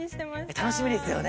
楽しみですよね。